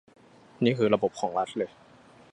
นี่คือระบบของรัฐเลย